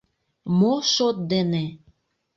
Мо шот дене?!